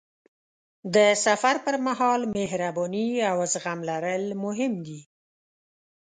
د سفر پر مهال مهرباني او زغم لرل مهم دي.